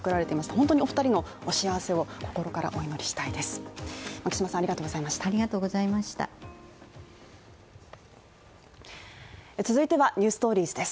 本当にお二人の幸せを心からお祈りしたいです。